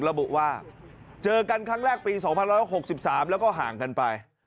ระบุว่าเจอกันครั้งแรกปี๒๑๖๓แล้วก็ห่างกันไป